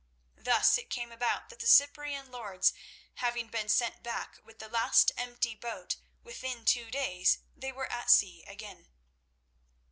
Thus it came about that the Cyprian lords having been sent back with the last empty boat, within two days they were at sea again.